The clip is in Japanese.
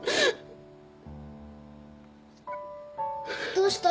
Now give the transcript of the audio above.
どうした？